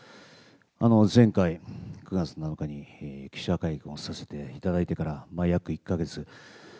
前回、９月７日に記者会見をさせていただいてから約１か月。